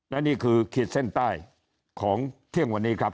และนี่คือคิดเส้นใต้ของท่วงเวนคลับ